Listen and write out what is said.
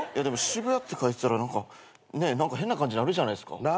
でも渋谷って書いてたら何か変な感じなるじゃないっすか。